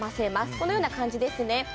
このような感じですね。